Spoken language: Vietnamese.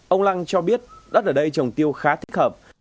ông lăng cho biết đất ở đây trồng tiêu khá thích hợp